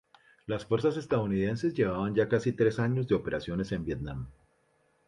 Las fuerzas estadounidenses llevaban ya casi tres años en operaciones en Vietnam.